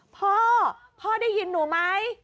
พ่อพ่อได้ยินหนูไหม